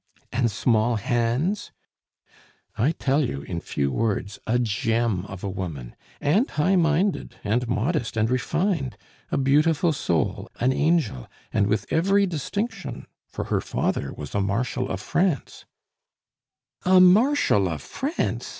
"And small hands?" "I tell you, in few words, a gem of a woman and high minded, and modest, and refined! A beautiful soul, an angel and with every distinction, for her father was a Marshal of France " "A Marshal of France!"